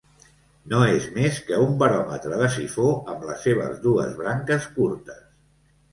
No és més que un baròmetre de sifó amb les seves dues branques curtes.